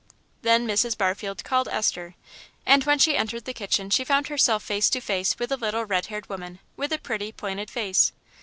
Then Mrs. Barfield called Esther; and when she entered the kitchen she found herself face to face with a little red haired woman, with a pretty, pointed face.